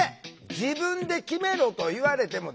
自分で決めろと言われてもですね